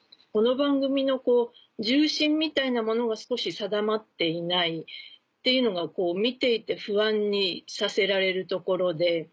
この番組の重心みたいなものが少し定まっていないっていうのが見ていて不安にさせられるところで。